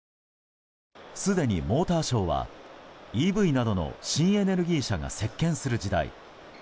すでにモーターショーはＥＶなどの新エネルギー車が席巻する時代。